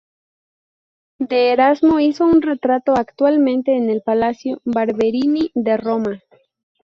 De Erasmo hizo un retrato, actualmente en el Palacio Barberini de Roma.